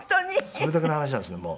それだけの話なんですねもう。